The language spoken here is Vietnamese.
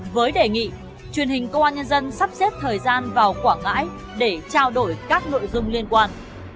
với đề nghị truyền hình công an nhân dân sắp xếp thời gian vào quảng ngãi để trao đổi các nội dung liên quan